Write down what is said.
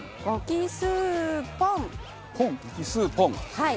はい。